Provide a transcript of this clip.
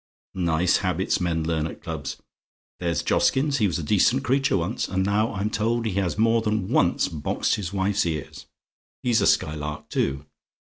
"Nice habits men learn at clubs! There's Joskins: he was a decent creature once, and now I'm told he has more than once boxed his wife's ears. He's a Skylark too.